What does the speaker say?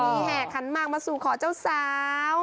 มีแห่ขันมากมาสู่ขอเจ้าสาว